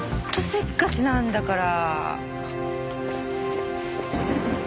せっかちなんだから。